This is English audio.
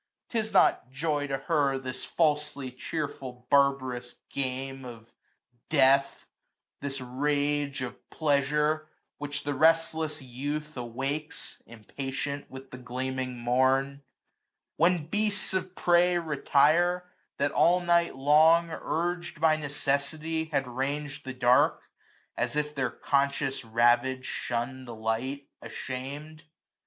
*T is not joy to her, This falsely cheerful barb'rous game of death ; This rage of pleasure, which the restless youth 385 Awakes, impatient, with the gleaming morn j When beasts of prey retire, that all night long, UrgM by necessity, had rang'd the dark ; As if their conscious ravage shun'd the light, Asham'd.